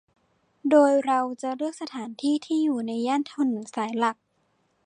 โดยเราจะเลือกสถานที่ที่อยู่ในย่านถนนสายหลัก